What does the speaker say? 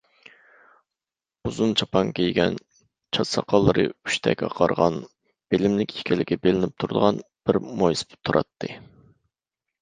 ئۇزۇن چاپان كىيگەن، چاچ-ساقاللىرى ئۇچتەك ئاقارغان، بىلىملىك ئىكەنلىكى بىلىنىپ تۇرىدىغان بىر مويسىپىت تۇراتتى.